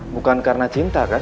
bukan karena cinta kan